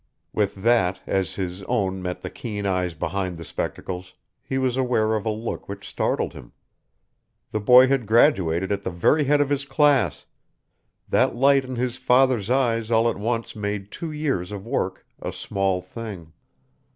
With that, as his own met the keen eyes behind the spectacles, he was aware of a look which startled him. The boy had graduated at the very head of his class; that light in his father's eyes all at once made two years of work a small thing.